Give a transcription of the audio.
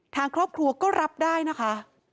ทางครอบครัวก็รับได้นะคะ